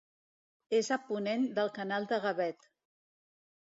És a ponent del Canal de Gavet.